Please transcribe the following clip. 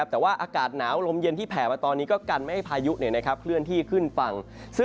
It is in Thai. แต่ว่าอากาศหนาวลมเย็นที่แผ่มาตอนนี้ก็กันไม่ให้พายุเคลื่อนที่ขึ้นฝั่ง